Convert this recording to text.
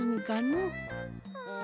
うん。